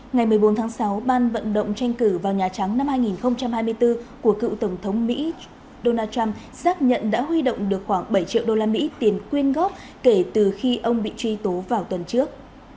ngày một mươi bốn tháng sáu ban vận động tranh cử vào nhà trắng năm hai nghìn hai mươi bốn của cựu tổng thống mỹ donald trump xác nhận đã huy động được khoảng bảy triệu đô la mỹ tiền quyên góp kể từ khi ông bị truy tố vào tuần trước